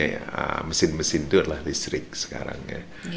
bisa beroperasinya mesin mesin itu adalah listrik sekarang ya